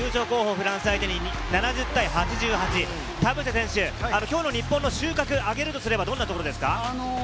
フランス相手に、７０対８８、田臥選手、きょうの日本の収穫をあげるとすれば、どんなところですか？